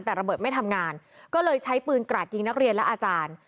แต่ระเบิดไม่ทำงานก็เลยใช้ปืนกราดยิงนักเรียนและอาจารย์